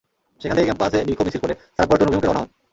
সেখান থেকে ক্যাম্পাসে বিক্ষোভ মিছিল করে তাঁরা পল্টন অভিমুখে রওনা হন।